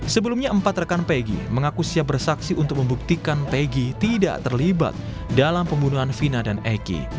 sebelumnya empat rekan pegi mengaku siap bersaksi untuk membuktikan pegi tidak terlibat dalam pembunuhan vina dan egy